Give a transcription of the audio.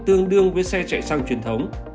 tương đương với xe chạy xăng truyền thống